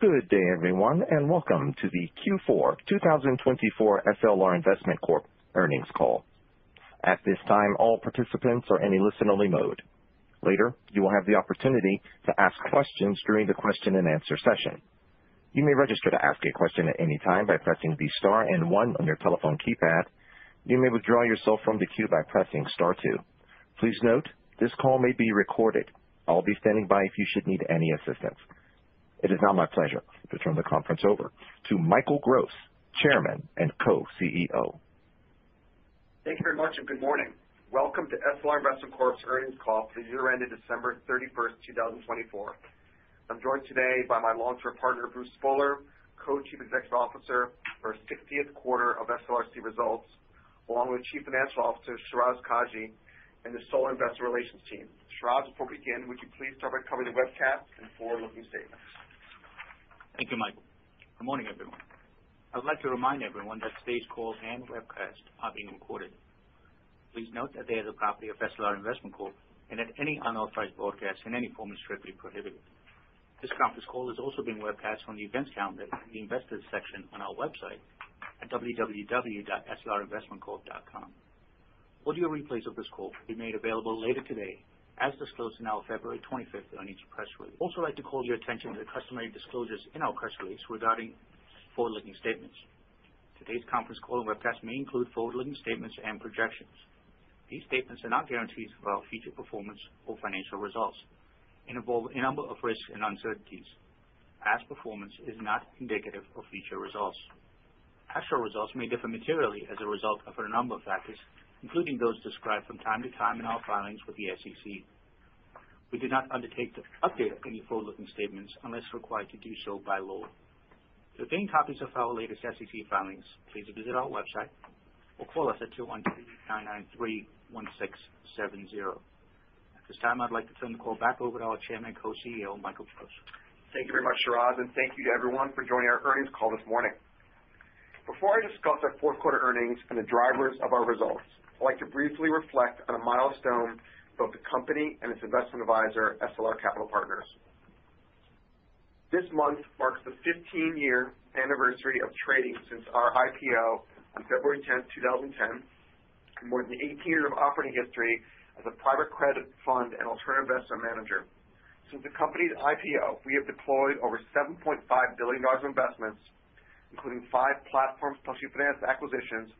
Good day, everyone, and welcome to the Q4 2024 SLR Investment Corp earnings call. At this time, all participants are in a listen-only mode. Later, you will have the opportunity to ask questions during the question-and-answer session. You may register to ask a question at any time by pressing the star and one on your telephone keypad. You may withdraw yourself from the queue by pressing star two. Please note, this call may be recorded. I'll be standing by if you should need any assistance. It is now my pleasure to turn the conference over to Michael Gross, Chairman and Co-CEO. Thank you very much, and good morning. Welcome to SLR Investment Corp's earnings call for the year ending December 31st, 2024. I'm joined today by my long-term partner, Bruce Spohler, Co-Chief Executive Officer for the 60th quarter of SLRC results, along with Chief Financial Officer, Shiraz Kajee, and the SLR Investment Relations team. Shiraz, before we begin, would you please start by covering the webcast and forward-looking statements? Thank you, Michael. Good morning, everyone. I would like to remind everyone that today's call and webcast are being recorded. Please note that they are the property of SLR Investment Corp, and that any unauthorized broadcast in any form is strictly prohibited. This conference call is also being webcast on the events calendar, the investors' section on our website at www.slrinvestmentcorp.com. Audio replays of this call will be made available later today, as disclosed in our February 25th earnings press release. I'd also like to call your attention to the customary disclosures in our press release regarding forward-looking statements. Today's conference call and webcast may include forward-looking statements and projections. These statements are not guarantees of our future performance or financial results. They involve a number of risks and uncertainties, as performance is not indicative of future results. Actual results may differ materially as a result of a number of factors, including those described from time to time in our filings with the SEC. We do not undertake to update any forward-looking statements unless required to do so by law. To obtain copies of our latest SEC filings, please visit our website or call us at 213-993-1670. At this time, I'd like to turn the call back over to our Chairman and Co-CEO, Michael Gross. Thank you very much, Shiraz, and thank you to everyone for joining our earnings call this morning. Before I discuss our fourth quarter earnings and the drivers of our results, I'd like to briefly reflect on a milestone for the company and its investment advisor, SLR Capital Partners. This month marks the 15-year anniversary of trading since our IPO on February 10th, 2010, and more than 18 years of operating history as a private credit fund and alternative investment manager. Since the company's IPO, we have deployed over $7.5 billion in investments, including five platforms plus new finance acquisitions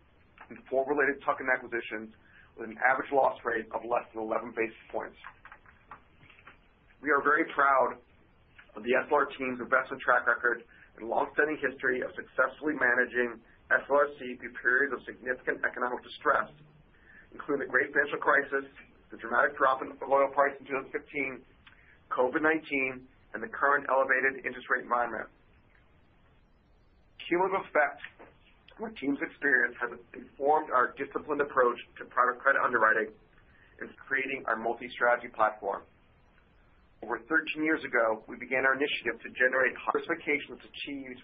and four related tuck-in acquisitions, with an average loss rate of less than 11 basis points. We are very proud of the SLR team's investment track record and long-standing history of successfully managing SLRC through periods of significant economic distress, including the Great Financial Crisis, the dramatic drop in oil price in 2015, COVID-19, and the current elevated interest rate environment. The cumulative effect of our team's experience has informed our disciplined approach to private credit underwriting and creating our multi-strategy platform. Over 13 years ago, we began our initiative to generate diversification. Diversification was achieved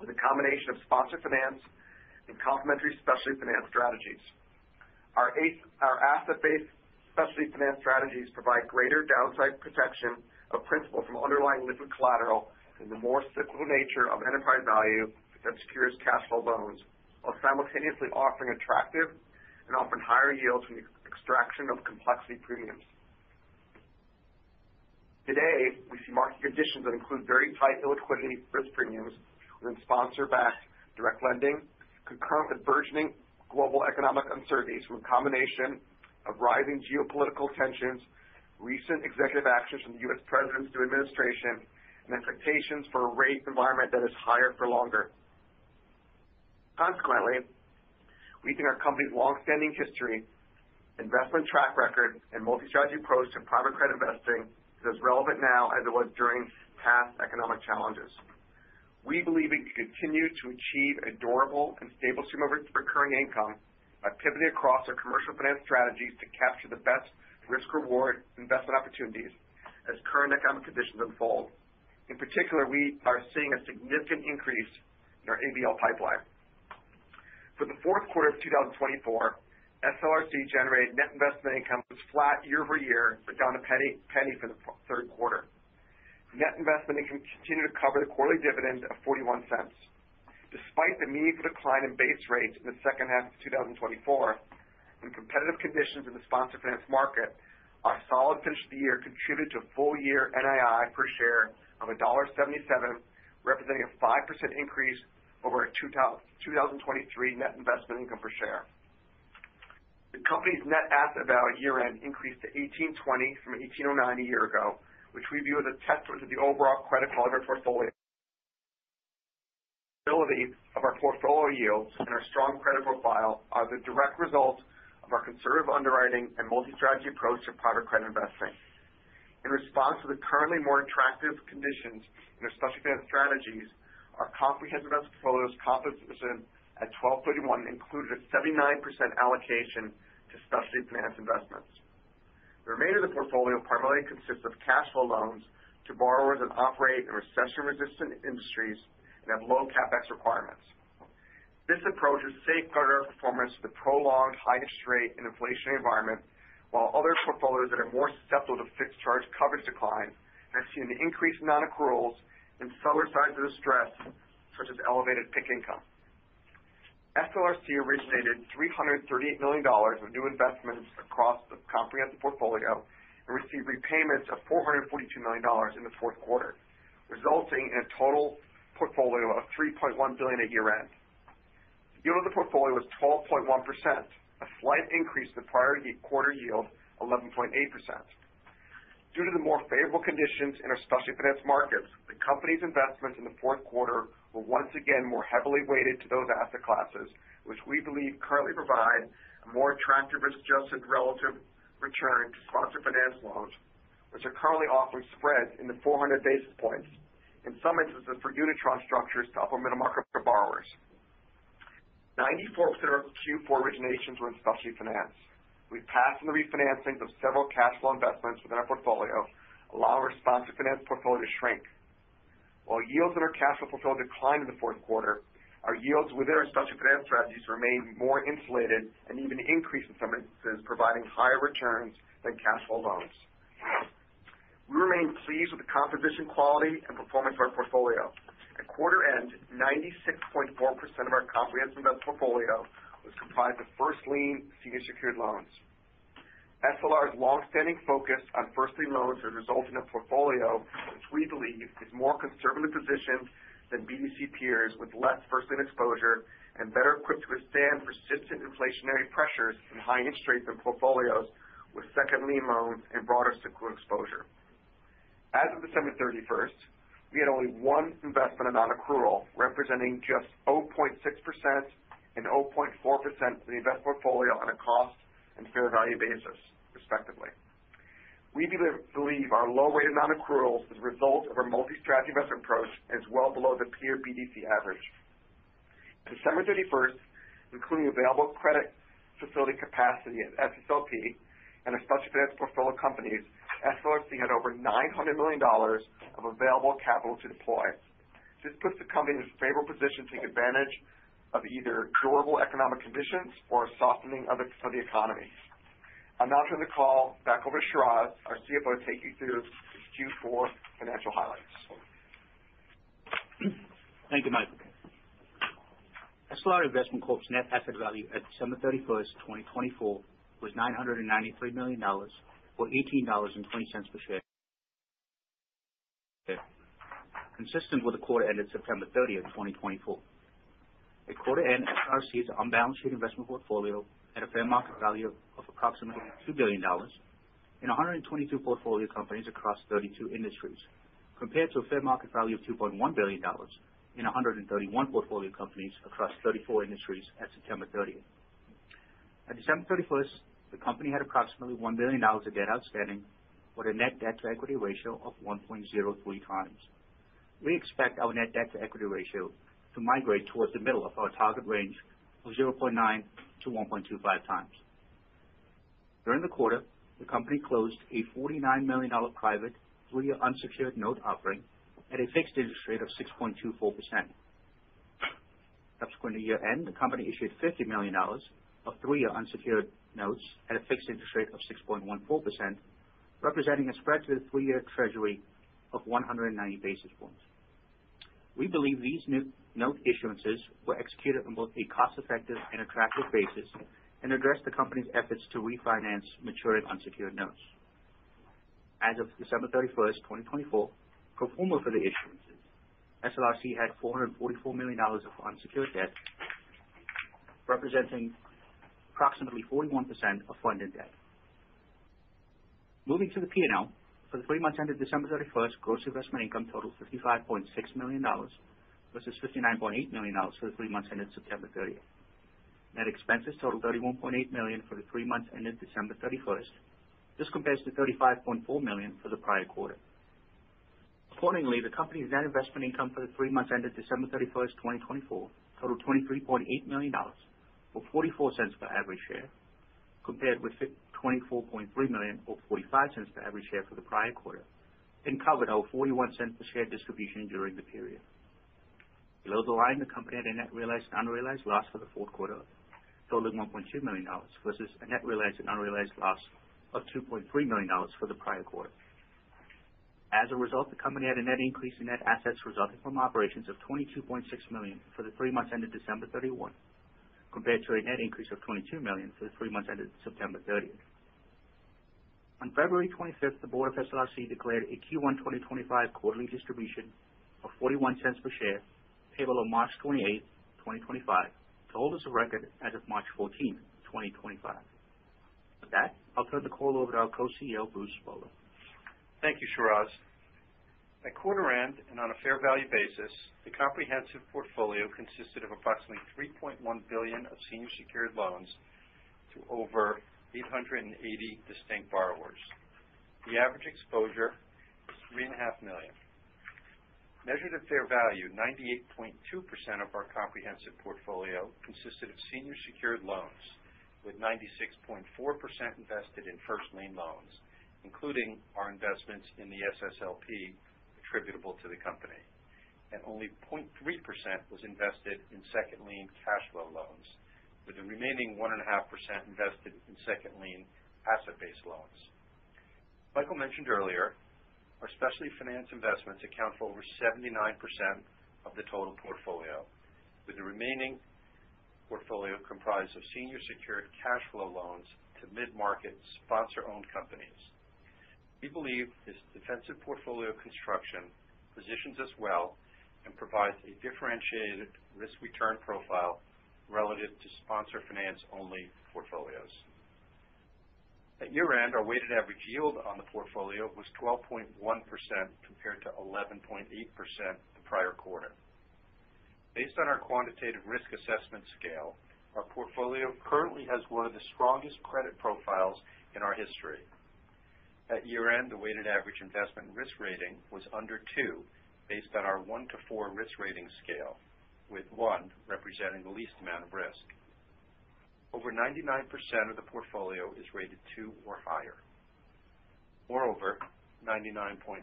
with a combination of sponsored finance and complementary specialty finance strategies. Our asset-based specialty finance strategies provide greater downside protection of principal from underlying liquid collateral and the more cyclical nature of enterprise value that secures cash flow loans, while simultaneously offering attractive and often higher yields from the extraction of complexity premiums. Today, we see market conditions that include very tight illiquidity risk premiums within sponsor-backed direct lending, concurrent with burgeoning global economic uncertainties from a combination of rising geopolitical tensions, recent executive actions from the U.S. President's new administration, and expectations for a rate environment that is higher for longer. Consequently, we think our company's long-standing history, investment track record, and multi-strategy approach to private credit investing is as relevant now as it was during past economic challenges. We believe we can continue to achieve a durable and stable stream of recurring income by pivoting across our commercial finance strategies to capture the best risk-reward investment opportunities as current economic conditions unfold. In particular, we are seeing a significant increase in our ABL pipeline. For the fourth quarter of 2024, SLRC generated net investment income that was flat year over year, but down a penny for the third quarter. Net investment income continued to cover the quarterly dividend of $0.41. Despite the meaningful decline in base rates in the second half of 2024 and competitive conditions in the sponsored finance market, our solid finish of the year contributed to a full-year NII per share of $1.77, representing a 5% increase over our 2023 net investment income per share. The company's net asset value year-end increased to $18.20 from $18.09 a year ago, which we view as a testament to the overall credit quality of our portfolio. The stability of our portfolio yields and our strong credit profile are the direct result of our conservative underwriting and multi-strategy approach to private credit investing. In response to the currently more attractive conditions in our specialty finance strategies, our comprehensive investment portfolio's composition at $1,231 included a 79% allocation to specialty finance investments. The remainder of the portfolio primarily consists of cash flow loans to borrowers that operate in recession-resistant industries and have low CapEx requirements. This approach has safeguarded our performance through the prolonged high interest rate and inflationary environment, while other portfolios that are more susceptible to fixed charge coverage declines have seen an increase in non-accruals and subtler signs of distress, such as elevated PIK income. SLRC originated $338 million of new investments across the comprehensive portfolio and received repayments of $442 million in the fourth quarter, resulting in a total portfolio of $3.1 billion at year-end. The yield of the portfolio was 12.1%, a slight increase from the prior quarter yield of 11.8%. Due to the more favorable conditions in our specialty finance markets, the company's investments in the fourth quarter were once again more heavily weighted to those asset classes, which we believe currently provide a more attractive risk-adjusted relative return to sponsored finance loans, which are currently offering spreads in the 400 basis points in some instances for unitranche structures to upper-middle market for borrowers. 94% of our Q4 originations were in specialty finance. We passed on the refinancing of several cash flow investments within our portfolio, allowing our sponsored finance portfolio to shrink. While yields on our cash flow portfolio declined in the fourth quarter, our yields within our specialty finance strategies remained more insulated and even increased in some instances, providing higher returns than cash flow loans. We remain pleased with the composition, quality, and performance of our portfolio. At quarter-end, 96.4% of our comprehensive first lien loans has resulted in a portfolio which we believe is more conservatively positioned than BDC peers with less first-lien exposure and better equipped to withstand persistent inflationary pressures and high interest rates than portfolios with second-lien loans and broader cyclical exposure. As of December 31st, we had only one investment on non-accrual, representing just 0.6% and 0.4% of the investment portfolio on a cost and fair value basis, respectively. We believe our low-weighted non-accruals are the result of our multi-strategy investment approach and is well below the peer BDC average. At December 31st, including available credit facility capacity at SSLP and our specialty finance portfolio companies, SLRC had over $900 million of available capital to deploy. This puts the company in a favorable position to take advantage of either durable economic conditions or a softening of the economy. I'll now turn the call back over to Shiraz, our CFO, to take you through his Q4 financial highlights. Thank you, Michael. SLR Investment Corp's net asset value at December 31st, 2024, was $993 million, or $18.20 per share, consistent with the quarter-ended September 30th, 2024. At quarter-end, SLRC's unlevered investment portfolio at a fair market value of approximately $2 billion in 122 portfolio companies across 32 industries, compared to a fair market value of $2.1 billion in 131 portfolio companies across 34 industries at September 30th. At December 31st, the company had approximately $1 billion of debt outstanding, with a net debt-to-equity ratio of 1.03x. We expect our net debt-to-equity ratio to migrate towards the middle of our target range of 0.9x-1.25x. During the quarter, the company closed a $49 million private three-year unsecured note offering at a fixed interest rate of 6.24%. Subsequent to year-end, the company issued $50 million of three-year unsecured notes at a fixed interest rate of 6.14%, representing a spread to the three-year Treasury of 190 basis points. We believe these note issuances were executed on both a cost-effective and attractive basis and addressed the company's efforts to refinance mature and unsecured notes. As of December 31st, 2024, pro forma for the issuances, SLRC had $444 million of unsecured debt, representing approximately 41% of funded debt. Moving to the P&L, for the three months ended December 31st, gross investment income totaled $55.6 million versus $59.8 million for the three months ended September 30th. Net expenses totaled $31.8 million for the three months ended December 31st. This compares to $35.4 million for the prior quarter. Accordingly, the company's net investment income for the three months ended December 31st, 2024, totaled $23.8 million, or $0.44 per average share, compared with $24.3 million, or $0.45 per average share for the prior quarter, and covered over $0.41 per share distribution during the period. Below the line, the company had a net realized and unrealized loss for the fourth quarter, totaling $1.2 million, versus a net realized and unrealized loss of $2.3 million for the prior quarter. As a result, the company had a net increase in net assets resulting from operations of $22.6 million for the three months ended December 31, compared to a net increase of $22 million for the three months ended September 30th. On February 25th, the board of SLRC declared a Q1 2025 quarterly distribution of $0.41 per share, payable on March 28th, 2025, to holders of record as of March 14th, 2025. With that, I'll turn the call over to our Co-CEO, Bruce Spohler. Thank you, Shiraz. At quarter-end and on a fair value basis, the comprehensive portfolio consisted of approximately $3.1 billion of senior secured loans to over 880 distinct borrowers. The average exposure was $3.5 million. Measured at fair value, 98.2% of our comprehensive portfolio consisted of senior secured loans, with 96.4% first lien loans, including our investments in the SSLP attributable to the company, and only 0.3% was invested in second-lien cash flow loans, with the remaining 1.5% invested in second-lien asset-based loans. Michael mentioned earlier, our specialty finance investments account for over 79% of the total portfolio, with the remaining portfolio comprised of senior secured cash flow loans to mid-market sponsor-owned companies. We believe this defensive portfolio construction positions us well and provides a differentiated risk-return profile relative to sponsored finance-only portfolios. At year-end, our weighted average yield on the portfolio was 12.1% compared to 11.8% the prior quarter. Based on our quantitative risk assessment scale, our portfolio currently has one of the strongest credit profiles in our history. At year-end, the weighted average investment risk rating was under 2, based on our 1 to 4 risk rating scale, with 1 representing the least amount of risk. Over 99% of the portfolio is rated 2 or higher. Moreover, 99.4%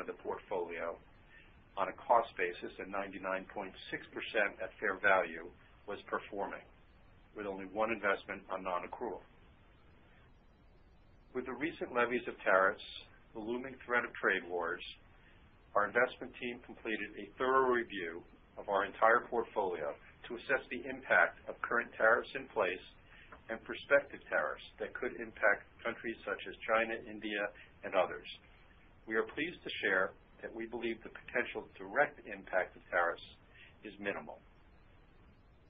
of the portfolio on a cost basis and 99.6% at fair value was performing, with only one investment on non-accrual. With the recent levies of tariffs and the looming threat of trade wars, our investment team completed a thorough review of our entire portfolio to assess the impact of current tariffs in place and prospective tariffs that could impact countries such as China, India, and others. We are pleased to share that we believe the potential direct impact of tariffs is minimal.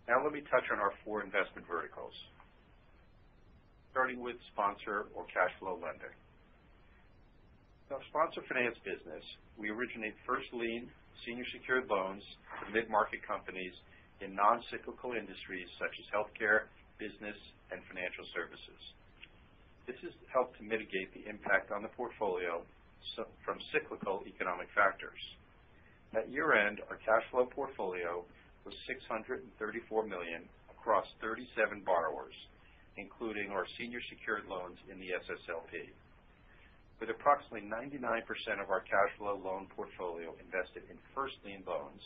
Now let me touch on our four investment verticals, starting with sponsor or cash flow lending. In our sponsored first lien senior secured loans to mid-market companies in non-cyclical industries such as healthcare, business, and financial services. This has helped to mitigate the impact on the portfolio from cyclical economic factors. At year-end, our cash flow portfolio was $634 million across 37 borrowers, including our senior secured loans in the SSLP. With approximately 99% of our cash flow loan portfolio first lien loans,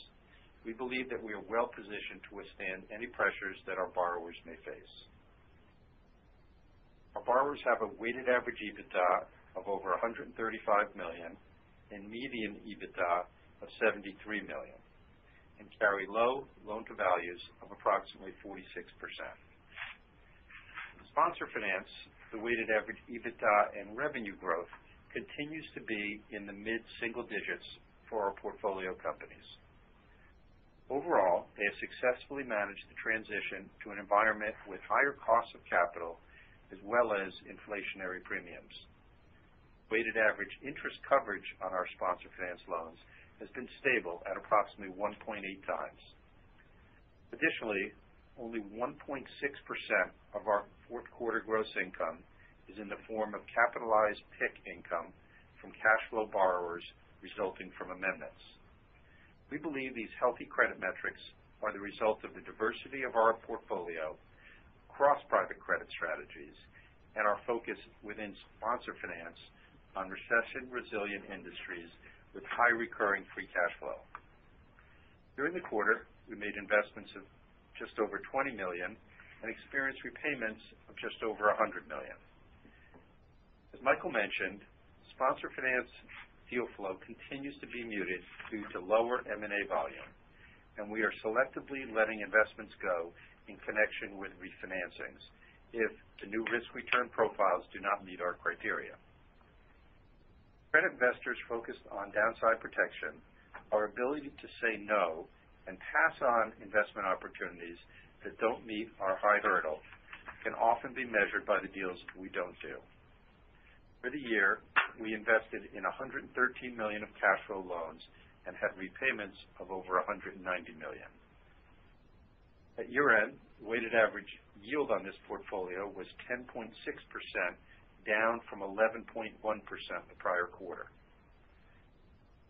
we believe that we are well-positioned to withstand any pressures that our borrowers may face. Our borrowers have a weighted average EBITDA of over $135 million and median EBITDA of $73 million, and carry low loan-to-value of approximately 46%. In sponsored finance, the weighted average EBITDA and revenue growth continues to be in the mid-single digits for our portfolio companies. Overall, they have successfully managed the transition to an environment with higher costs of capital as well as inflationary premiums. Weighted average interest coverage on our sponsored finance loans has been stable at approximately 1.8x. Additionally, only 1.6% of our fourth-quarter gross income is in the form of capitalized PIK income from cash flow borrowers resulting from amendments. We believe these healthy credit metrics are the result of the diversity of our portfolio, across private credit strategies, and our focus within sponsored finance on recession-resilient industries with high recurring free cash flow. During the quarter, we made investments of just over $20 million and experienced repayments of just over $100 million. As Michael mentioned, sponsored finance deal flow continues to be muted due to lower M&A volume, and we are selectively letting investments go in connection with refinancings if the new risk-return profiles do not meet our criteria. Credit investors focused on downside protection, our ability to say no and pass on investment opportunities that don't meet our high hurdle can often be measured by the deals we don't do. For the year, we invested in $113 million of cash flow loans and had repayments of over $190 million. At year-end, the weighted average yield on this portfolio was 10.6%, down from 11.1% the prior quarter.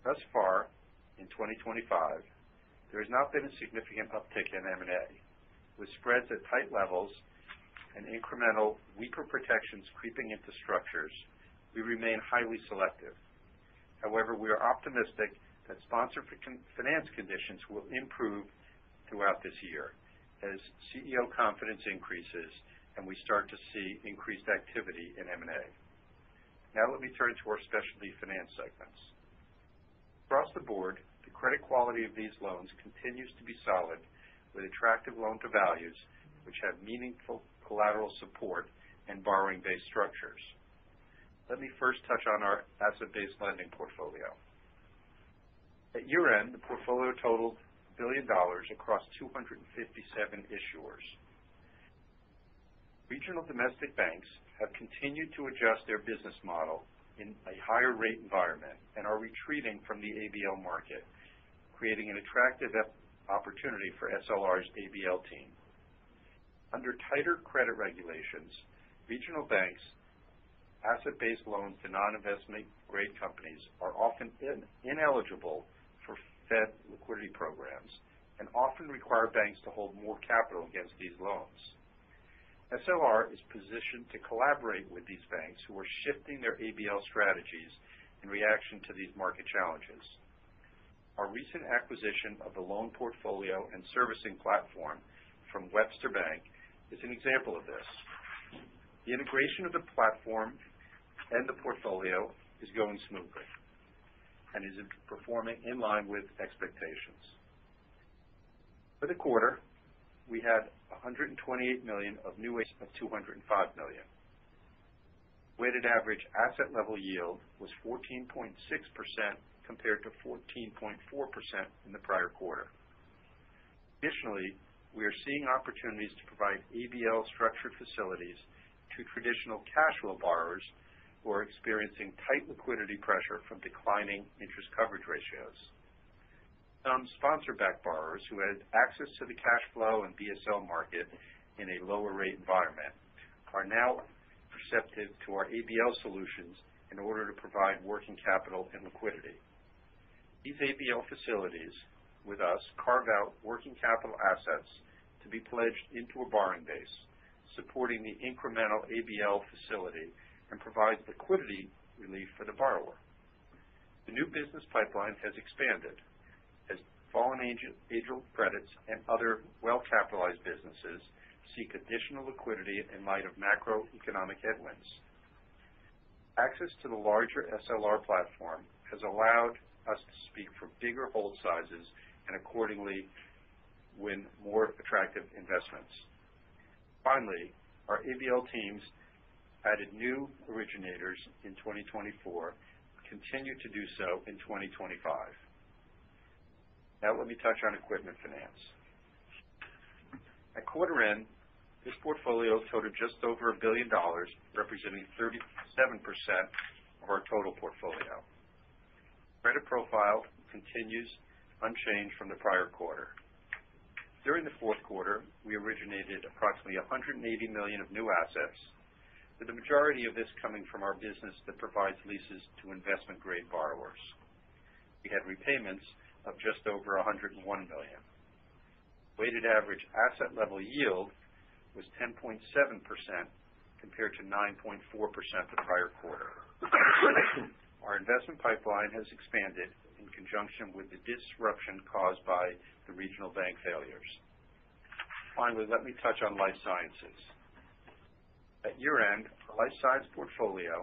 Thus far, in 2025, there has not been a significant uptick in M&A. With spreads at tight levels and incremental weaker protections creeping into structures, we remain highly selective. However, we are optimistic that sponsored finance conditions will improve throughout this year as CEO confidence increases and we start to see increased activity in M&A. Now let me turn to our specialty finance segments. Across the board, the credit quality of these loans continues to be solid, with attractive loan-to-values which have meaningful collateral support and borrowing base structures. Let me first touch on our asset-based lending portfolio. At year-end, the portfolio totaled $1 billion across 257 issuers. Regional domestic banks have continued to adjust their business model in a higher-rate environment and are retreating from the ABL market, creating an attractive opportunity for SLR's ABL team. Under tighter credit regulations, regional banks' asset-based loans to non-investment-grade companies are often ineligible for Fed liquidity programs and often require banks to hold more capital against these loans. SLR is positioned to collaborate with these banks who are shifting their ABL strategies in reaction to these market challenges. Our recent acquisition of the loan portfolio and servicing platform from Webster Bank is an example of this. The integration of the platform and the portfolio is going smoothly and is performing in line with expectations. For the quarter, we had $128 million of new, of $205 million. Weighted average asset-level yield was 14.6% compared to 14.4% in the prior quarter. Additionally, we are seeing opportunities to provide ABL structured facilities to traditional cash flow borrowers who are experiencing tight liquidity pressure from declining interest coverage ratios. Some sponsor-backed borrowers who had access to the cash flow and BSL market in a lower-rate environment are now receptive to our ABL solutions in order to provide working capital and liquidity. These ABL facilities with us carve out working capital assets to be pledged into a borrowing base, supporting the incremental ABL facility and provide liquidity relief for the borrower. The new business pipeline has expanded as fallen angel credits and other well-capitalized businesses seek additional liquidity in light of macroeconomic headwinds. Access to the larger SLR platform has allowed us to seek bigger hold sizes and accordingly win more attractive investments. Finally, our ABL teams added new originators in 2024 and continue to do so in 2025. Now let me touch on equipment finance. At quarter-end, this portfolio totaled just over $1 billion, representing 37% of our total portfolio. Credit profile continues unchanged from the prior quarter. During the fourth quarter, we originated approximately $180 million of new assets, with the majority of this coming from our business that provides leases to investment-grade borrowers. We had repayments of just over $101 million. Weighted average asset-level yield was 10.7% compared to 9.4% the prior quarter. Our investment pipeline has expanded in conjunction with the disruption caused by the regional bank failures. Finally, let me touch on Life Sciences. At year-end, our Life Science portfolio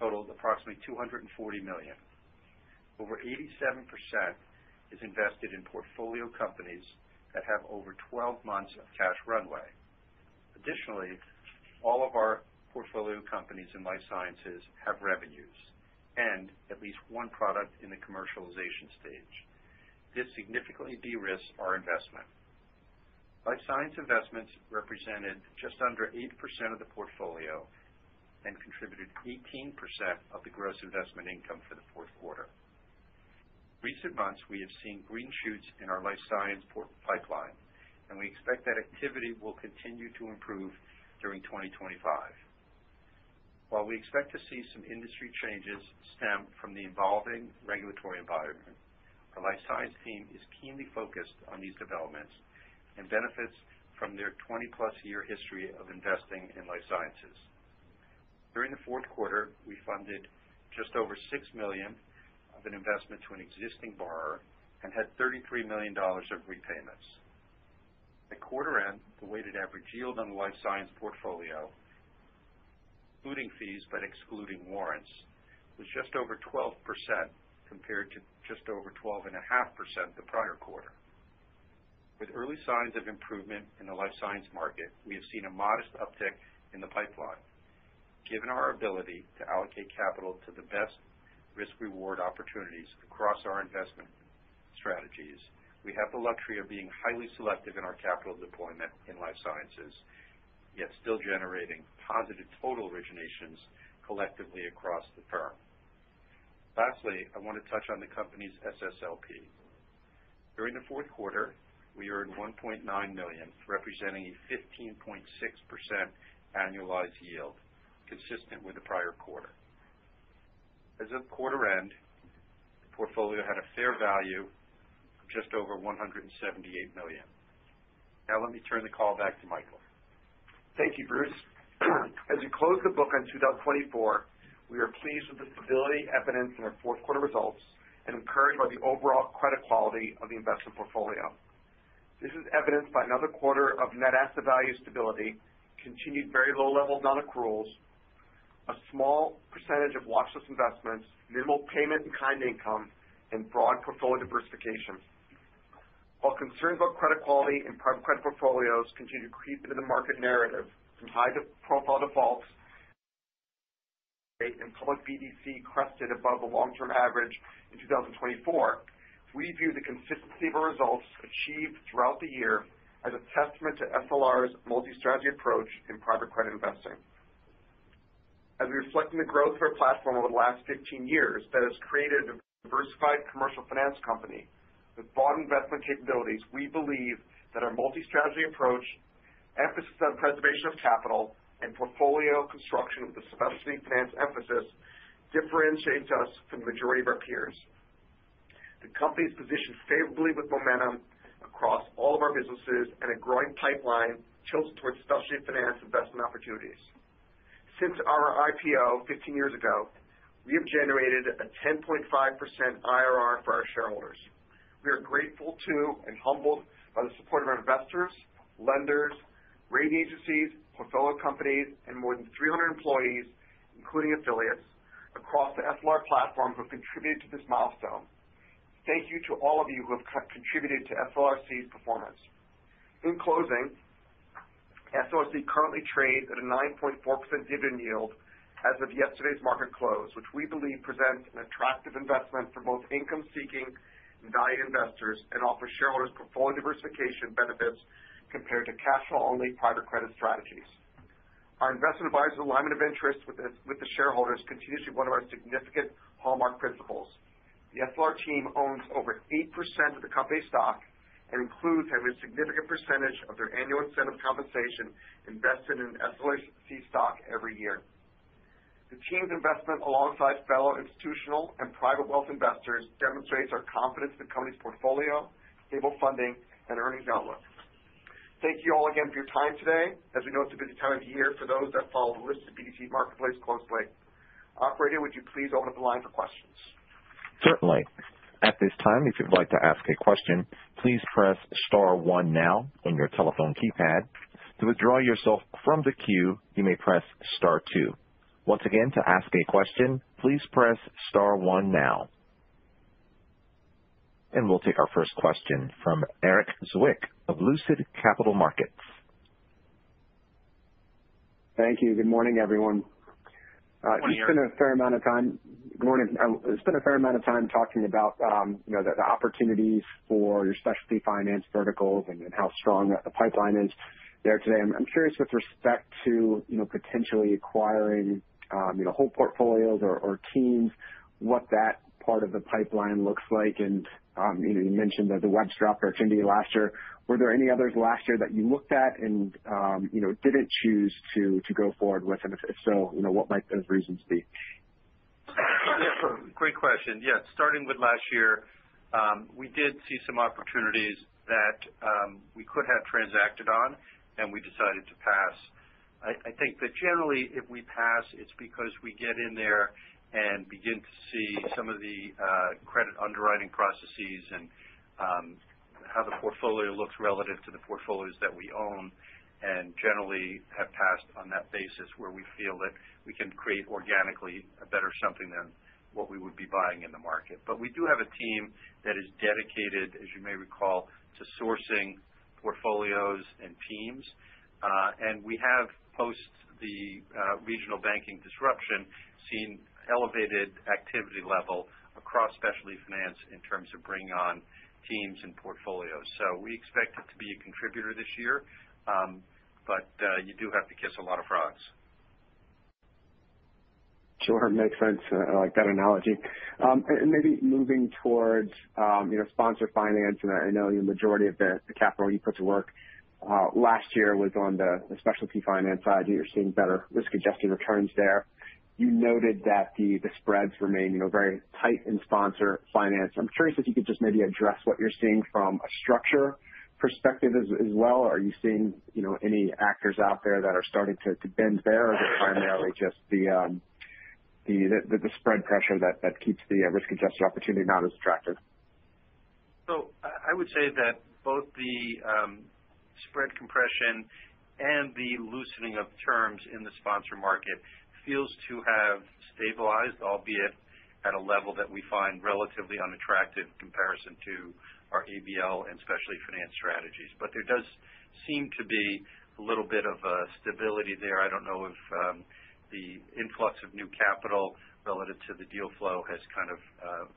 totaled approximately $240 million. Over 87% is invested in portfolio companies that have over 12 months of cash runway. Additionally, all of our portfolio companies in Life Sciences have revenues and at least one product in the commercialization stage. This significantly de-risked our investment. Life science investments represented just under 8% of the portfolio and contributed 18% of the gross investment income for the fourth quarter. In recent months, we have seen green shoots in our Life Science pipeline, and we expect that activity will continue to improve during 2025. While we expect to see some industry changes stem from the evolving regulatory environment, our Life Science team is keenly focused on these developments and benefits from their 20+ year history of investing in Life Sciences. During the fourth quarter, we funded just over $6 million of an investment to an existing borrower and had $33 million of repayments. At quarter-end, the weighted average yield on the Life Science portfolio, including fees but excluding warrants, was just over 12% compared to just over 12.5% the prior quarter. With early signs of improvement in the Life Science market, we have seen a modest uptick in the pipeline. Given our ability to allocate capital to the best risk-reward opportunities across our investment strategies, we have the luxury of being highly selective in our capital deployment in Life Sciences, yet still generating positive total originations collectively across the firm. Lastly, I want to touch on the company's SSLP. During the fourth quarter, we earned $1.9 million, representing a 15.6% annualized yield, consistent with the prior quarter. As of quarter-end, the portfolio had a fair value of just over $178 million. Now let me turn the call back to Michael. Thank you, Bruce. As we close the book on 2024, we are pleased with the stability evidenced in our fourth-quarter results and encouraged by the overall credit quality of the investment portfolio. This is evidenced by another quarter of net asset value stability, continued very low-level non-accruals, a small percentage of watchlist investments, minimal payment-in-kind income, and broad portfolio diversification. While concerns about credit quality and private credit portfolios continue to creep into the market narrative from high-profile defaults and public BDC spreads crested above the long-term average in 2024, we view the consistency of our results achieved throughout the year as a testament to SLR's multi-strategy approach in private credit investing. As we reflect on the growth of our platform over the last 15 years that has created a diversified commercial finance company with broad investment capabilities, we believe that our multi-strategy approach, emphasis on preservation of capital, and portfolio construction with a specialty finance emphasis differentiates us from the majority of our peers. The company is positioned favorably with momentum across all of our businesses and a growing pipeline tilted towards specialty finance investment opportunities. Since our IPO 15 years ago, we have generated a 10.5% IRR for our shareholders. We are grateful to and humbled by the support of our investors, lenders, rating agencies, portfolio companies, and more than 300 employees, including affiliates, across the SLR platform who have contributed to this milestone. Thank you to all of you who have contributed to SLRC's performance. In closing, SLRC currently trades at a 9.4% dividend yield as of yesterday's market close, which we believe presents an attractive investment for both income-seeking and value investors and offers shareholders portfolio diversification benefits compared to cash-only private credit strategies. Our investment advisor alignment of interest with the shareholders continues to be one of our significant hallmark principles. The SLR team owns over 8% of the company stock and includes a significant percentage of their annual incentive compensation invested in SLRC stock every year. The team's investment alongside fellow institutional and private wealth investors demonstrates our confidence in the company's portfolio, stable funding, and earnings outlook. Thank you all again for your time today. As we know, it's a busy time of the year for those that follow the list of BDC marketplace closely. Operator, would you please open up the line for questions? Certainly. At this time, if you'd like to ask a question, please press star one now on your telephone keypad. To withdraw yourself from the queue, you may press star two. Once again, to ask a question, please press star one now, and we'll take our first question from Erik Zwick of Lucid Capital Markets. Thank you. Good morning, everyone. It's been a fair amount of time. Good morning. It's been a fair amount of time talking about the opportunities for your specialty finance verticals and how strong the pipeline is there today. I'm curious with respect to potentially acquiring whole portfolios or teams, what that part of the pipeline looks like. And you mentioned that the Webster opportunity last year. Were there any others last year that you looked at and didn't choose to go forward with? And if so, what might those reasons be? Great question. Yes. starting with last year, we did see some opportunities that we could have transacted on, and we decided to pass. I think that generally, if we pass, it's because we get in there and begin to see some of the credit underwriting processes and how the portfolio looks relative to the portfolios that we own and generally have passed on that basis where we feel that we can create organically a better something than what we would be buying in the market. But we do have a team that is dedicated, as you may recall, to sourcing portfolios and teams. And we have, post the regional banking disruption, seen elevated activity level across specialty finance in terms of bringing on teams and portfolios. So we expect it to be a contributor this year, but you do have to kiss a lot of frogs. Sure. Makes sense. I like that analogy. And maybe moving towards sponsored finance, and I know the majority of the capital you put to work last year was on the specialty finance side. You're seeing better risk-adjusted returns there. You noted that the spreads remain very tight in sponsored finance. I'm curious if you could just maybe address what you're seeing from a structure perspective as well. Are you seeing any actors out there that are starting to bend there, or is it primarily just the spread pressure that keeps the risk-adjusted opportunity not as attractive? So I would say that both the spread compression and the loosening of terms in the sponsor market feels to have stabilized, albeit at a level that we find relatively unattractive in comparison to our ABL and specialty finance strategies. But there does seem to be a little bit of stability there. I don't know if the influx of new capital relative to the deal flow has kind of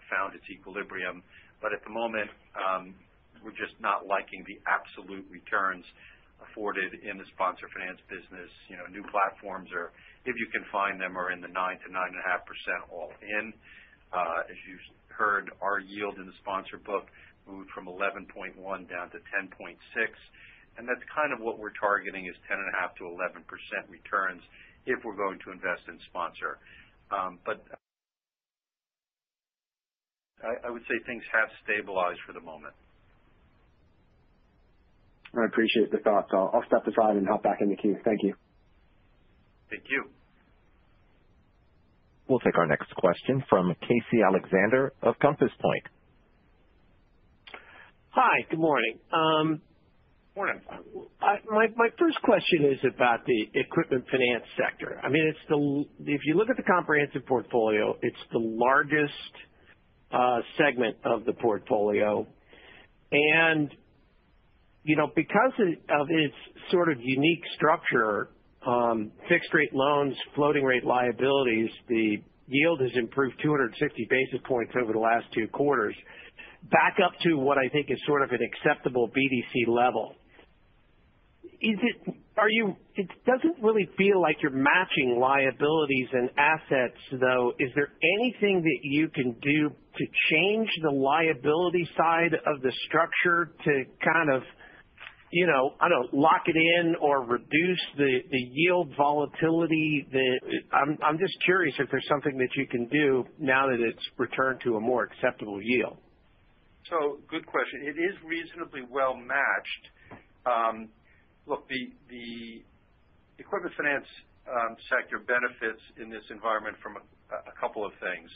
found its equilibrium. But at the moment, we're just not liking the absolute returns afforded in the sponsored finance business. New platforms, if you can find them, are in the 9%-9.5% all-in. As you've heard, our yield in the sponsor book moved from 11.1% down to 10.6%. And that's kind of what we're targeting is 10.5%-11% returns if we're going to invest in sponsor. But I would say things have stabilized for the moment. I appreciate the thoughts. I'll step aside and hop back in the queue. Thank you. Thank you. We'll take our next question from Casey Alexander of Compass Point. Hi. Good morning. My first question is about the equipment finance sector. I mean, if you look at the comprehensive portfolio, it's the largest segment of the portfolio, and because of its sort of unique structure, fixed-rate loans, floating-rate liabilities, the yield has improved 250 basis points over the last two quarters, back up to what I think is sort of an acceptable BDC level. It doesn't really feel like you're matching liabilities and assets, though. Is there anything that you can do to change the liability side of the structure to kind of, I don't know, lock it in or reduce the yield volatility? I'm just curious if there's something that you can do now that it's returned to a more acceptable yield. So good question. It is reasonably well matched. Look, the equipment finance sector benefits in this environment from a couple of things.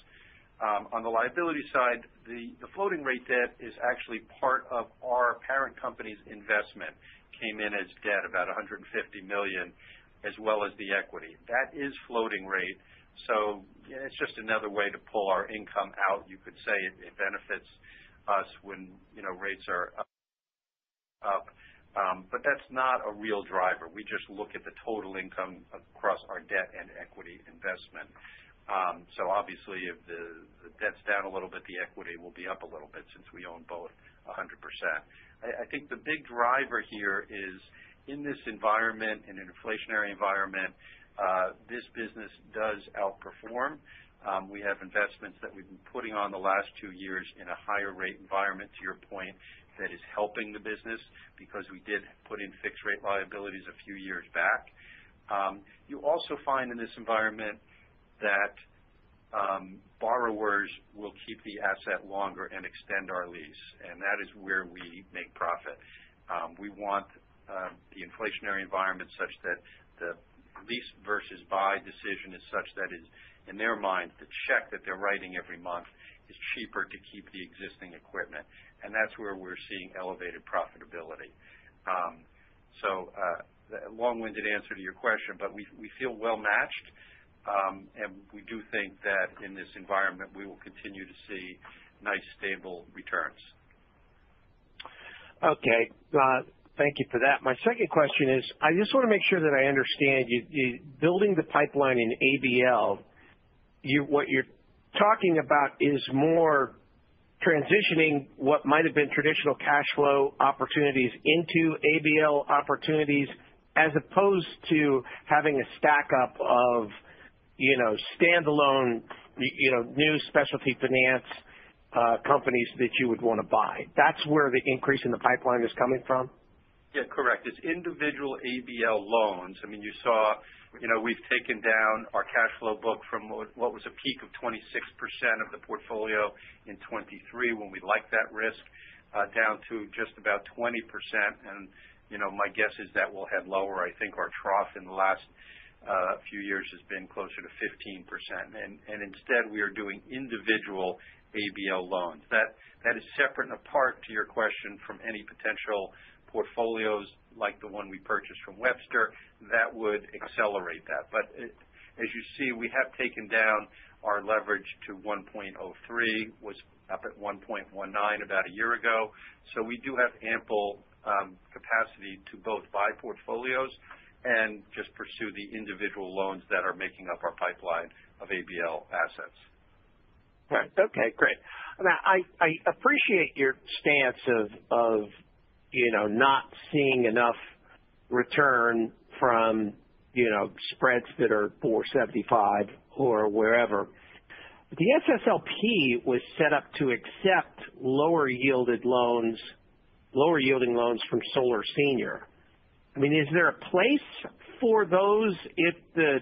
On the liability side, the floating-rate debt is actually part of our parent company's investment. It came in as debt, about $150 million, as well as the equity. That is floating rate. So it's just another way to pull our income out. You could say it benefits us when rates are up. But that's not a real driver. We just look at the total income across our debt and equity investment. So obviously, if the debt's down a little bit, the equity will be up a little bit since we own both 100%. I think the big driver here is, in this environment, in an inflationary environment, this business does outperform. We have investments that we've been putting on the last two years in a higher-rate environment, to your point, that is helping the business because we did put in fixed-rate liabilities a few years back. You also find in this environment that borrowers will keep the asset longer and extend our lease. And that is where we make profit. We want the inflationary environment such that the lease versus buy decision is such that, in their minds, the check that they're writing every month is cheaper to keep the existing equipment. And that's where we're seeing elevated profitability. So a long-winded answer to your question, but we feel well matched. And we do think that, in this environment, we will continue to see nice, stable returns. Okay. Thank you for that. My second question is, I just want to make sure that I understand. Building the pipeline in ABL, what you're talking about is more transitioning what might have been traditional cash flow opportunities into ABL opportunities as opposed to having a stack-up of standalone new specialty finance companies that you would want to buy. That's where the increase in the pipeline is coming from? Yeah. Correct. It's individual ABL loans. I mean, you saw we've taken down our cash flow book from what was a peak of 26% of the portfolio in 2023 when we de-risked that down to just about 20%. And my guess is that we'll head lower. I think our trough in the last few years has been closer to 15%. And instead, we are doing individual ABL loans. That is separate and apart from your question from any potential portfolios like the one we purchased from Webster that would accelerate that. But as you see, we have taken down our leverage to 1.03x, was up at 1.19x about a year ago. So we do have ample capacity to both buy portfolios and just pursue the individual loans that are making up our pipeline of ABL assets. Right. Okay. Great. I appreciate your stance of not seeing enough return from spreads that are 4.75 or wherever. The SSLP was set up to accept lower-yielding loans from SLR Senior. I mean, is there a place for those if the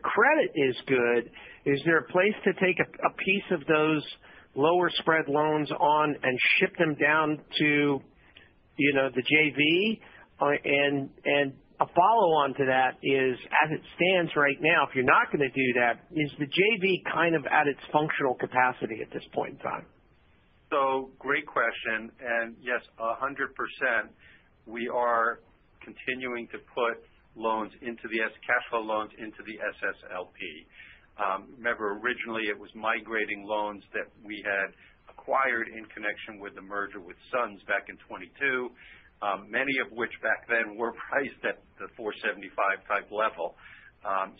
credit is good? Is there a place to take a piece of those lower spread loans on and ship them down to the JV? And a follow-on to that is, as it stands right now, if you're not going to do that, is the JV kind of at its functional capacity at this point in time? So great question. And yes, 100%. We are continuing to put cash flow loans into the SSLP. Remember, originally, it was migrating loans that we had acquired in connection with the merger with SUNS back in 2022, many of which back then were priced at the 4.75 type level.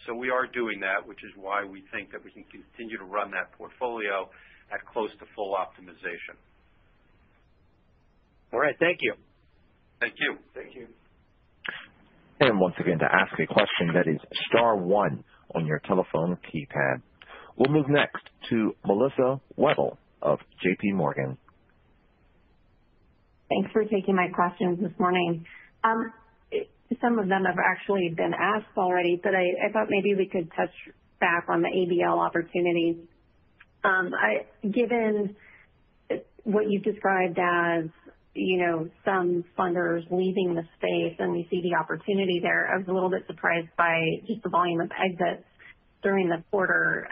So we are doing that, which is why we think that we can continue to run that portfolio at close to full optimization. All right. Thank you. Thank you. Thank you. And once again, to ask a question that is star one on your telephone keypad. We'll move next to Melissa Wedel of JPMorgan. Thanks for taking my questions this morning. Some of them have actually been asked already, but I thought maybe we could touch back on the ABL opportunities. Given what you've described as some funders leaving the space and we see the opportunity there, I was a little bit surprised by just the volume of exits during the quarter.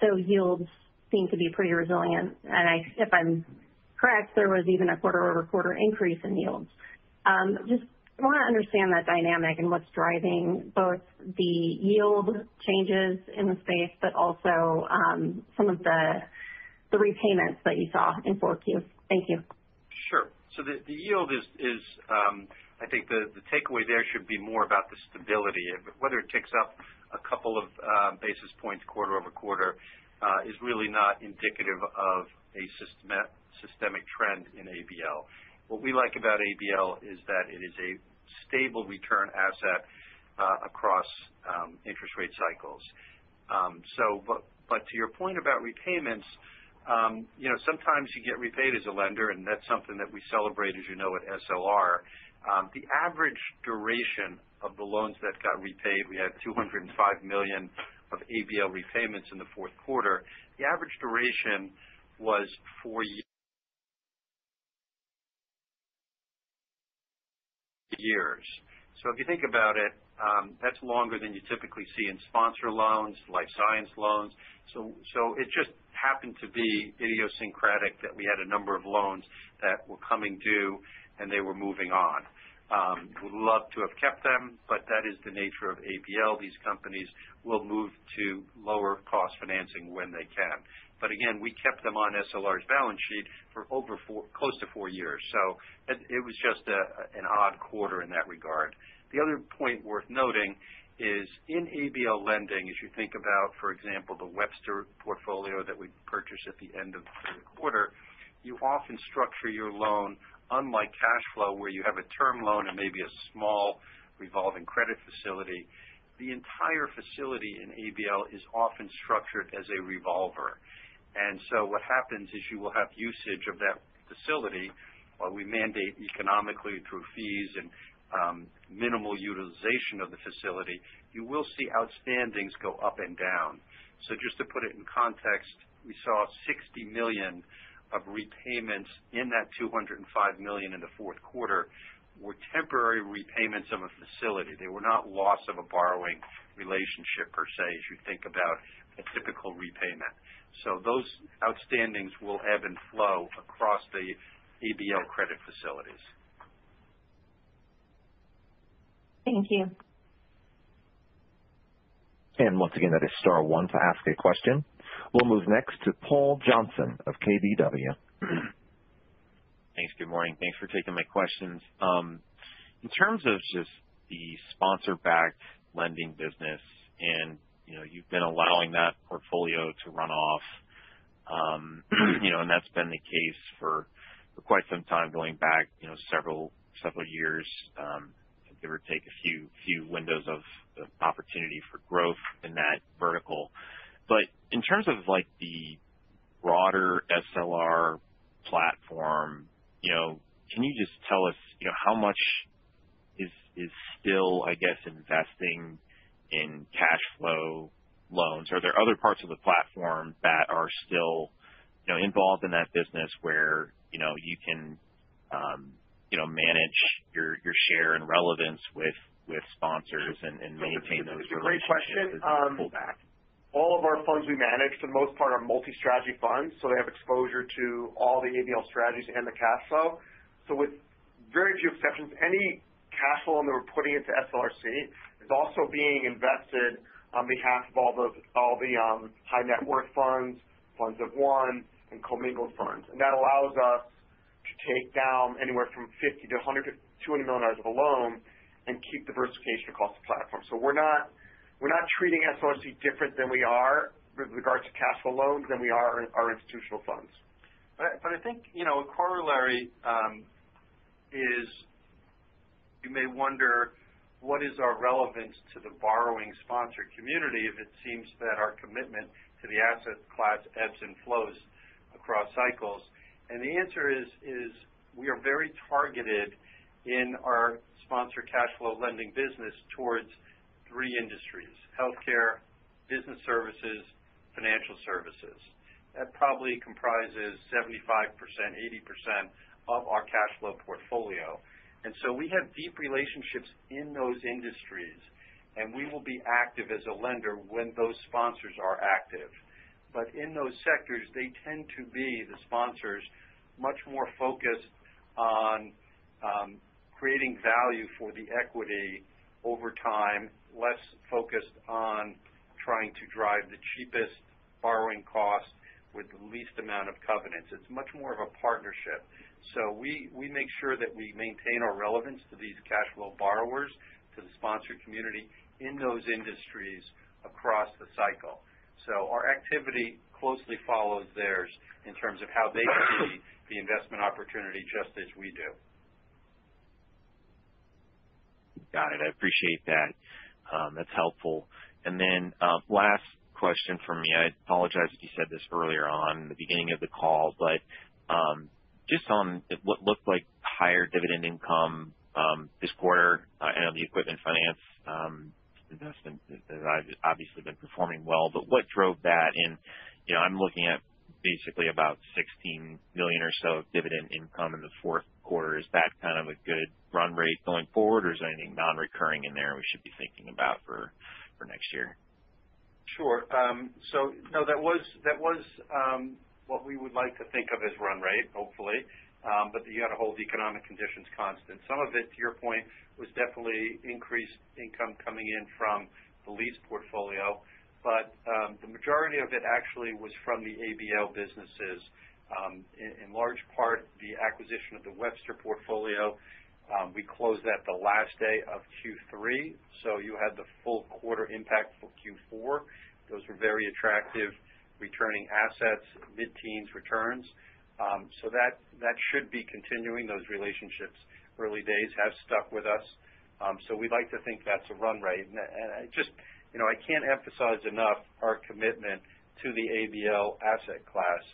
So yields seem to be pretty resilient. And if I'm correct, there was even a quarter-over-quarter increase in yields. Just want to understand that dynamic and what's driving both the yield changes in the space, but also some of the repayments that you saw in four Qs? Thank you. Sure. So the yield is, I think the takeaway there should be more about the stability. Whether it ticks up a couple of basis points quarter over quarter is really not indicative of a systemic trend in ABL. What we like about ABL is that it is a stable return asset across interest rate cycles. But to your point about repayments, sometimes you get repaid as a lender, and that's something that we celebrate, as you know, at SLR. The average duration of the loans that got repaid, we had $205 million of ABL repayments in the fourth quarter. The average duration was four years. So if you think about it, that's longer than you typically see in sponsor loans, Life Science loans. So it just happened to be idiosyncratic that we had a number of loans that were coming due, and they were moving on. We'd love to have kept them, but that is the nature of ABL. These companies will move to lower-cost financing when they can. But again, we kept them on SLR's balance sheet for close to four years. So it was just an odd quarter in that regard. The other point worth noting is, in ABL lending, as you think about, for example, the Webster portfolio that we purchased at the end of the quarter, you often structure your loan, unlike cash flow, where you have a term loan and maybe a small revolving credit facility. The entire facility in ABL is often structured as a revolver. What happens is you will have usage of that facility. While we mandate economically through fees and minimal utilization of the facility, you will see outstandings go up and down. So just to put it in context, we saw $60 million of repayments in that $205 million in the fourth quarter were temporary repayments of a facility. They were not loss of a borrowing relationship per se, as you think about a typical repayment. So those outstandings will ebb and flow across the ABL credit facilities. Thank you. And once again, that is star one to ask a question. We'll move next to Paul Johnson of KBW. Thanks. Good morning. Thanks for taking my questions. In terms of just the sponsor-backed lending business, and you've been allowing that portfolio to run off, and that's been the case for quite some time going back several years, give or take a few windows of opportunity for growth in that vertical. But in terms of the broader SLR platform, can you just tell us how much is still, I guess, investing in cash flow loans? Are there other parts of the platform that are still involved in that business where you can manage your share and relevance with sponsors and maintain those relationships with the cash flow-backed? All of our funds we manage, for the most part, are multi-strategy funds. So they have exposure to all the ABL strategies and the cash flow. With very few exceptions, any cash flow that we're putting into SLRC is also being invested on behalf of all the high-net-worth funds, funds of one, and co-mingled funds. That allows us to take down anywhere from $50 million to $100 million to $200 million of a loan and keep diversification across the platform. We're not treating SLRC different than we are with regards to cash flow loans than we are in our institutional funds. I think a corollary is, you may wonder, what is our relevance to the borrowing sponsor community if it seems that our commitment to the asset class ebbs and flows across cycles? The answer is, we are very targeted in our sponsor cash flow lending business towards three industries: healthcare, business services, financial services. That probably comprises 75%, 80% of our cash flow portfolio. And so we have deep relationships in those industries, and we will be active as a lender when those sponsors are active. But in those sectors, they tend to be the sponsors much more focused on creating value for the equity over time, less focused on trying to drive the cheapest borrowing cost with the least amount of covenants. It's much more of a partnership. So we make sure that we maintain our relevance to these cash flow borrowers, to the sponsor community in those industries across the cycle. So our activity closely follows theirs in terms of how they see the investment opportunity just as we do. Got it. I appreciate that. That's helpful. And then last question for me. I apologize if you said this earlier on in the beginning of the call, but just on what looked like higher dividend income this quarter. I know the equipment finance investment has obviously been performing well. But what drove that? And I'm looking at basically about $16 million or so of dividend income in the fourth quarter. Is that kind of a good run rate going forward, or is there anything non-recurring in there we should be thinking about for next year? Sure. So no, that was what we would like to think of as run rate, hopefully. But you got to hold the economic conditions constant. Some of it, to your point, was definitely increased income coming in from the lease portfolio. But the majority of it actually was from the ABL businesses. In large part, the acquisition of the Webster portfolio, we closed that the last day of Q3, so you had the full quarter impact for Q4. Those were very attractive returning assets, mid-teens returns, so that should be continuing. Those relationships, early days, have stuck with us, so we'd like to think that's a run rate, and I can't emphasize enough our commitment to the ABL asset class.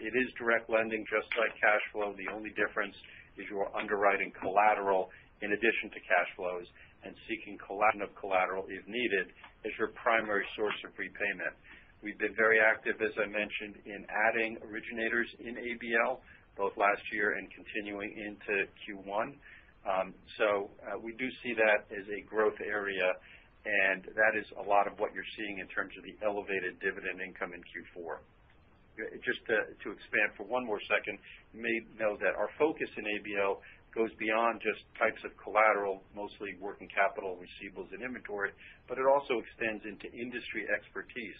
It is direct lending just like cash flow. The only difference is you're underwriting collateral in addition to cash flows and seeking collateral if needed as your primary source of repayment. We've been very active, as I mentioned, in adding originators in ABL both last year and continuing into Q1, so we do see that as a growth area, and that is a lot of what you're seeing in terms of the elevated dividend income in Q4. Just to expand for one more second, you may know that our focus in ABL goes beyond just types of collateral, mostly working capital, receivables, and inventory, but it also extends into industry expertise.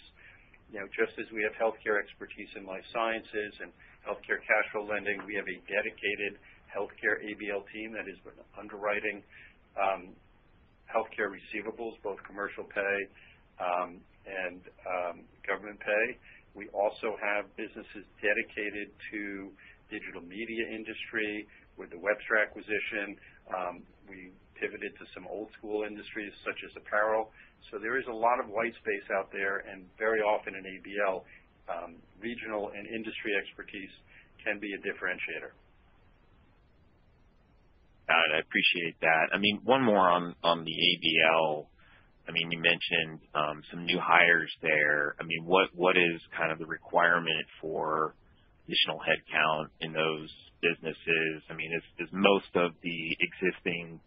Just as we have healthcare expertise in Life Sciences and healthcare cash flow lending, we have a dedicated healthcare ABL team that has been underwriting healthcare receivables, both commercial pay and government pay. We also have businesses dedicated to the digital media industry. With the Webster acquisition, we pivoted to some old-school industries such as apparel. So there is a lot of white space out there, and very often in ABL, regional and industry expertise can be a differentiator. Got it. I appreciate that. I mean, one more on the ABL. I mean, you mentioned some new hires there. I mean, what is kind of the requirement for additional headcount in those businesses? I mean, is most of the existing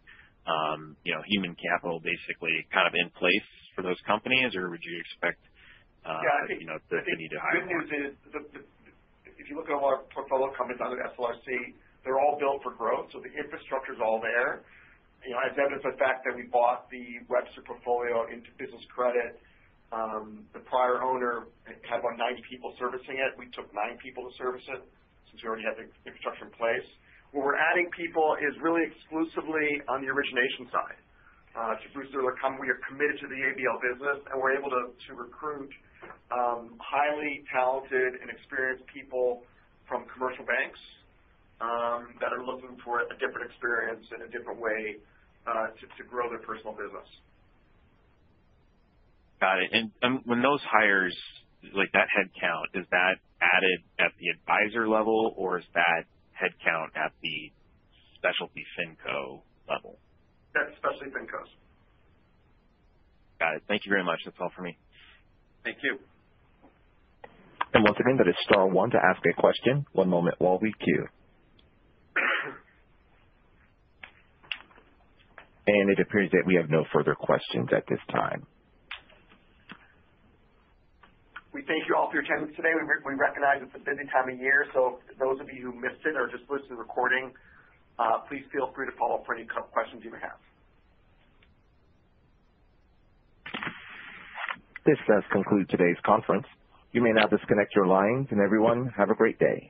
human capital basically kind of in place for those companies, or would you expect they need to hire more? Yeah. I think the good news is, if you look at all our portfolio companies under SLRC, they're all built for growth. So the infrastructure is all there. As evidence of the fact that we bought the Webster portfolio into business credit, the prior owner had about 90 people servicing it. We took nine people to service it since we already had the infrastructure in place. Where we're adding people is really exclusively on the origination side. To Bruce, we are committed to the ABL business, and we're able to recruit highly talented and experienced people from commercial banks that are looking for a different experience and a different way to grow their personal business. Got it. And when those hires, like that headcount, is that added at the advisor level, or is that headcount at the specialty FinCo level? That's specialty FinCos. Got it. Thank you very much. That's all for me. Thank you. And once again, that is star one to ask a question. One moment while we queue. And it appears that we have no further questions at this time. We thank you all for your attendance today. We recognize it's a busy time of year. So those of you who missed it or just listened to the recording, please feel free to follow up for any questions you may have. This does conclude today's conference. You may now disconnect your lines. And everyone, have a great day.